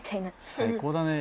最高だね。